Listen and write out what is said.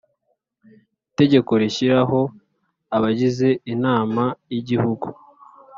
itegeko rishyiraho abagize inama y igihugu